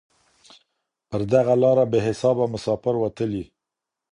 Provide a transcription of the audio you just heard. پر دغه لاره بې حسابه مساپر وتلي